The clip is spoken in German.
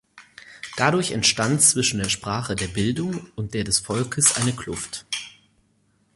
Dadurch entstand zwischen der Sprache der Bildung und der des Volkes eine Kluft.